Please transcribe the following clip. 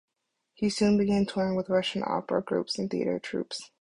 He soon began touring with Russian opera groups and theatre troupes.